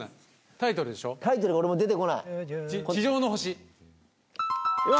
タイトルが俺も出てこない正解！わ！